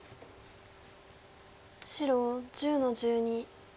白１０の十二。